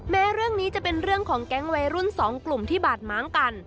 แม้เรื่องนี้จะเป็นเรื่องของแก๊งวัยรุ่นสองกลุ่มที่บาดม้างกัน